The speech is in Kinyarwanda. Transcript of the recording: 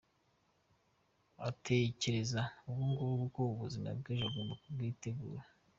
Atekereze ubungubu yuko ubuzima bw’ejo agomba kubwitegura.